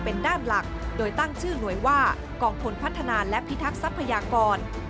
เป็นด้านหลักโดยตั้งชื่อหน่วยว่ากองพลพัฒนาและพิทักษัพยากร